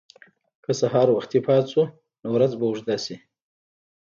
که سهار وختي پاڅو، نو ورځ به اوږده شي.